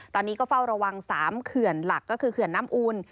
ตอนนี้ก็เฝ้าระวัง๓เขื่อนหลักก็คือเขื่อนน้ำอูล